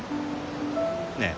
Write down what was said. ねえ。